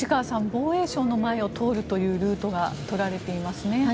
防衛省の前を通るというルートが取られていますね。